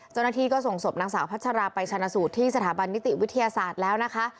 เจ้าหน้าที่ก็ส่งศพนางสาวพัชราไปชนะสูตรที่สถาบันนิติวิทยาศาสตร์แล้วนะคะ